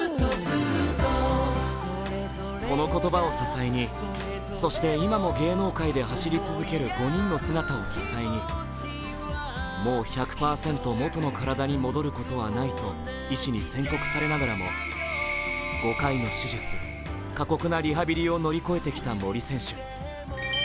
この言葉を支えに、そして今も芸能界で走り続ける５人の姿を支えに、もう１００％元の体に戻ることはないと医師に宣告されながらも５回の手術、過酷なリハビリを乗り越えてきた森選手。